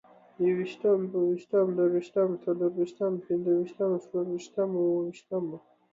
يوویشتم، دوويشتم، دريوشتم، څلورويشتم، پنځوويشتم، شپږويشتم، اوويشتمه